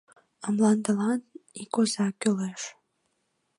А мландылан ик оза кӱлеш...